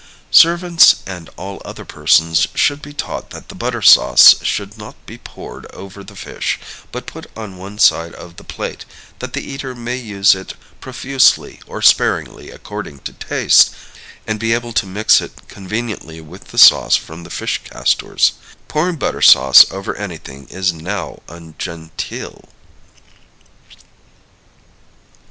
Servants, and all other persons, should be taught that the butter sauce should not be poured over the fish, but put on one side of the plate, that the eater may use it profusely or sparingly, according to taste, and be able to mix it conveniently with the sauce from the fish castors. Pouring butter sauce over anything is now ungenteel.